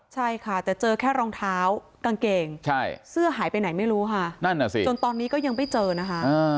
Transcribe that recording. ใช่ค่ะแต่เจอแค่รองเท้ากางเกงเสื้อหายไปไหนไม่รู้ค่ะนั่นน่ะสิจนตอนนี้ก็ยังไม่เจอนะคะ